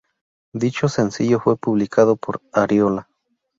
Dicho sencillo fue publicado por "Ariola".